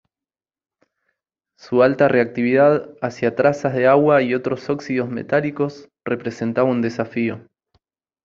Su alta reactividad hacia trazas de agua y otros óxidos metálicos representaba un desafío.